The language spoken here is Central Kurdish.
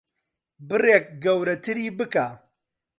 بڕێک گەورەتری بکە.